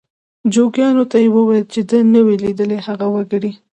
جوګیانو ته یې وویل چې ده نه وي لیدلي هغه وکړي.